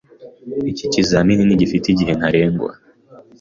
Iki kizamini ntigifite igihe ntarengwa.